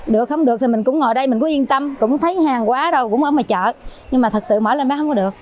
được không được thì mình cũng ngồi đây mình cũng yên tâm cũng thấy hàng quá rồi cũng ở ngoài chợ nhưng mà thật sự mở lên bán không có được